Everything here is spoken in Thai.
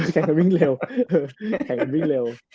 แข่งกันวิ่งเร็ว